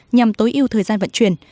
nhằm tối ưu thời gian vận chuyển